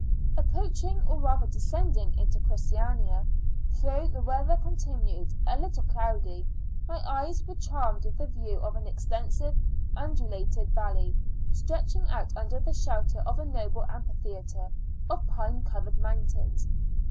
Approaching, or rather descending, to Christiania, though the weather continued a little cloudy, my eyes were charmed with the view of an extensive undulated valley, stretching out under the shelter of a noble amphitheatre of pine covered mountains.